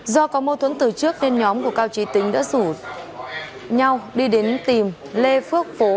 do có mâu thuẫn từ trước nên nhóm của cao trí tính đã rủ nhau đi đến tìm lê phước phố